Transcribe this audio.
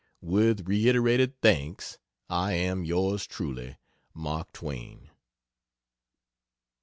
With reiterated thanks, I am Yours truly, MARK TWAIN.